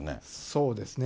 そうですね。